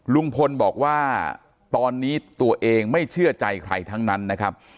ลุงพลบอกว่าตอนนี้ตัวเองไม่เชื่อใจใครทั้งนั้นนะครับ